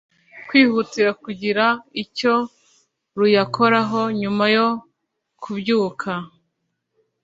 kwihutira kugira icyo ruyakoraho Nyuma yo kubyuka